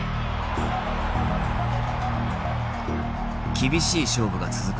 厳しい勝負が続く